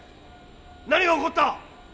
何が起こった！？